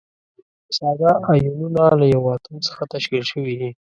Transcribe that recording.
ساده ایونونه له یوه اتوم څخه تشکیل شوي دي.